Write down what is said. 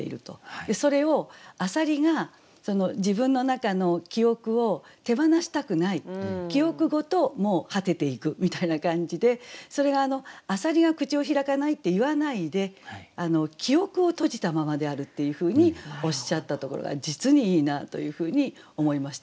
でそれを浅蜊が自分の中の記憶を手放したくない記憶ごともう果てていくみたいな感じでそれが浅蜊が口を開かないって言わないで記憶を閉じたままであるっていうふうにおっしゃったところが実にいいなというふうに思いました。